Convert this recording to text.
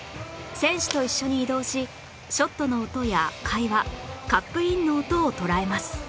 選手と一緒に移動しショットの音や会話カップインの音を捉えます